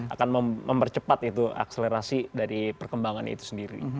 akan mempercepat itu akselerasi dari perkembangan itu sendiri